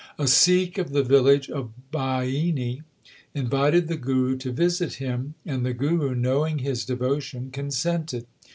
A Sikh of the village of Bhaini invited the Guru to visit him, and the Guru knowing his devotion consented.